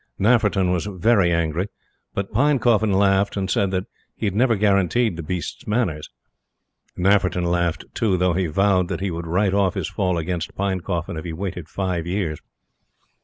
Nafferton was very angry; but Pinecoffin laughed and said that he had never guaranteed the beast's manners. Nafferton laughed, too, though he vowed that he would write off his fall against Pinecoffin if he waited five years.